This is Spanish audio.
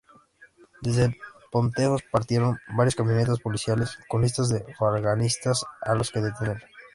Desde Pontejos partieron varias camionetas policiales con listas de falangistas a los que detener.